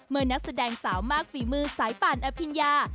นักแสดงสาวมากฝีมือสายป่านอภิญญา